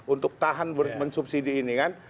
untuk tahan mensubsidi ini kan